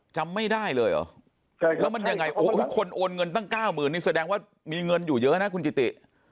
จำไม่ได้เลยเหรอแล้วมันยังไงโอ้โหคนโอนเงินตั้งเก้าหมื่นนี่แสดงว่ามีเงินอยู่เยอะนะคุณกิติ